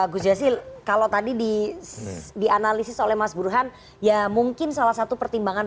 guz yasil kalau tadi dianalisis oleh mas buruhan ya mungkin salah satu pertimbangan